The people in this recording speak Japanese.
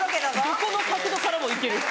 どこの角度からもいける。